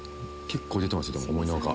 結構出てます。